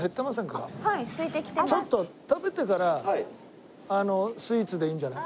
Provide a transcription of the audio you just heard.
ちょっと食べてからスイーツでいいんじゃない？